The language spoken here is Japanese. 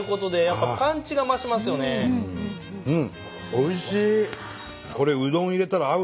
おいしい！